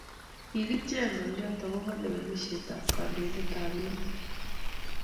kikichek ngolot ekoba lewenisheb an kandoiten ab emet